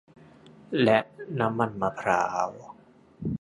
และน้ำมันมะพร้าว